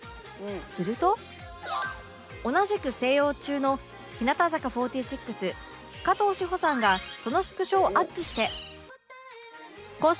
すると同じく静養中の日向坂４６加藤史帆さんがそのスクショをアップして